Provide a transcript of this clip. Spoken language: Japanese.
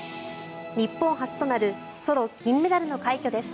日本初となるソロ金メダルの快挙です。